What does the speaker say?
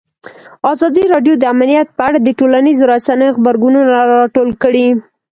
ازادي راډیو د امنیت په اړه د ټولنیزو رسنیو غبرګونونه راټول کړي.